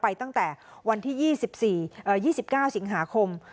ไปตั้งแต่วันที่ยี่สิบสี่เอ่อยี่สิบเก้าสิงหาคม